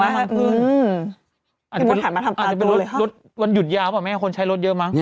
อาจจะเป็นรถวันหยุดยาวบ้างไหมคนใช้รถเยอะมั้ง